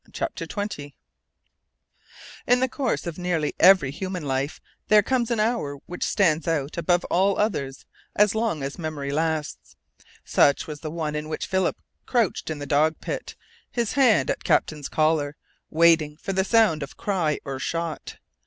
CHAPTER TWENTY In the course of nearly every human life there comes an hour which stands out above all others as long as memory lasts. Such was the one in which Philip crouched in the dog pit, his hand at Captain's collar, waiting for the sound of cry or shot.